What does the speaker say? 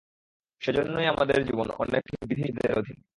সেজন্যই আমাদের জীবন অনেক বিধি-নিষেধের অধীন।